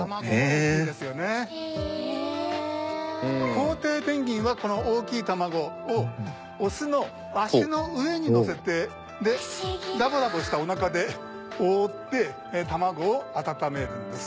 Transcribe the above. コウテイペンギンはこの大きい卵をオスの足の上にのせてでダボダボしたおなかで覆って卵を温めるんですけども